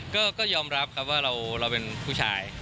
ก็ยอมรับครับว่าเราเป็นผู้ชาย